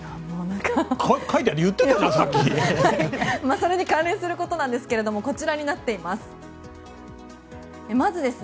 それに関連することなんですがこちらになっています。